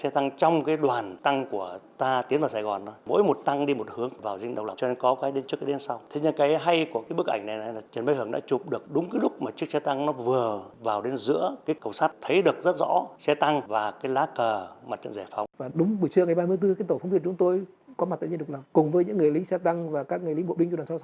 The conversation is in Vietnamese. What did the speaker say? trưa ngày ba mươi tháng bốn tổ phóng viện chúng tôi có mặt tại dinh độc lập cùng với những người lính xe tăng và các người lính bộ binh chủ đoàn sáu mươi sáu